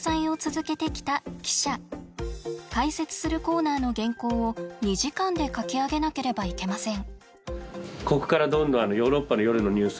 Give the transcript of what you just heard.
解説するコーナーの原稿を２時間で書き上げなければいけません。